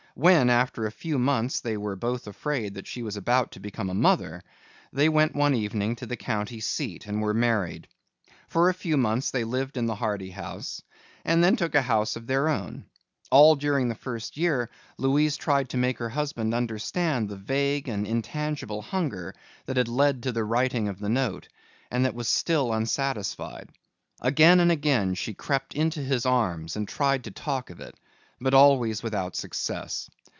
When after a few months they were both afraid that she was about to become a mother, they went one evening to the county seat and were married. For a few months they lived in the Hardy house and then took a house of their own. All during the first year Louise tried to make her husband understand the vague and intangible hunger that had led to the writing of the note and that was still unsatisfied. Again and again she crept into his arms and tried to talk of it, but always without success.